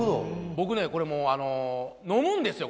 僕ねこれもうあの飲むんですよ